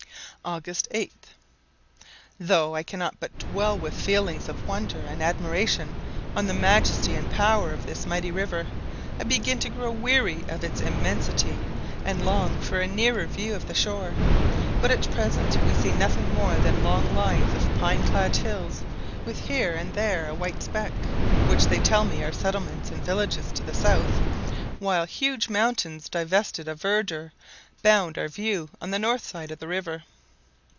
August 8. Though I cannot but dwell with feelings of wonder and admiration on the majesty and power of this mighty river, I begin to grow weary of its immensity, and long for a nearer view of the shore; but at present we see nothing more than long lines of pine clad hills, with here and there a white speck, which they tell me are settlements and villages to the south; while huge mountains divested of verdure bound our view on the north side the river.